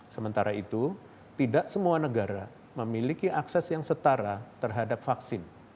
sementara itu tidak semua negara memiliki akses yang setara terhadap vaksin